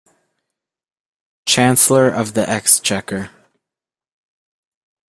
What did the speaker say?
Chancellor of the Exchequer